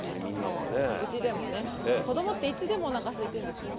もううちでもね子どもっていつでもおなかすいてるんですよね。